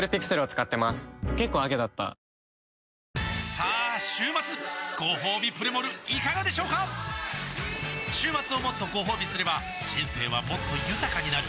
さあ週末ごほうびプレモルいかがでしょうか週末をもっとごほうびすれば人生はもっと豊かになる！